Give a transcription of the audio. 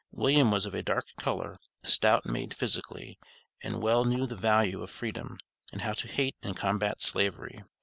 William was of a dark color, stout made physically, and well knew the value of Freedom, and how to hate and combat Slavery.